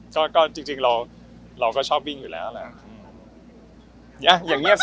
เจ้าก็จริงเราเราก็ชอบวิ่งอยู่แล้วอย่าอย่าเงียบสิ